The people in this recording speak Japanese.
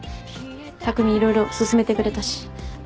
匠色々進めてくれたし。